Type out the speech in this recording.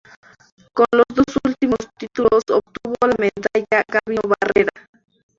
Con los dos últimos títulos, obtuvo la medalla Gabino Barreda.